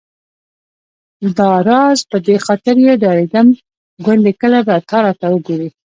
داراز په دې خاطر چې ډارېدم ګوندې کله به ته راته وګورې.